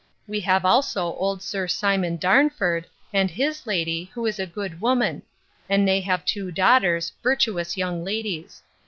We have also old Sir Simon Darnford, and his lady, who is a good woman; and they have two daughters, virtuous young ladies.